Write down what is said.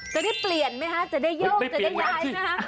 จะได้เปลี่ยนไหมคะจะได้โยกจะได้ย้ายนะคะ